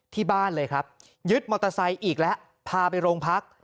ที่บ้านเลยครับยึดมอเตอร์ไซค์อีกแล้วพาไปโรงพัก